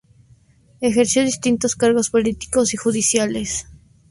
Ejerció distintos cargos políticos y judiciales.